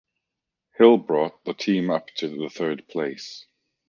Hill brought the team up to the third place.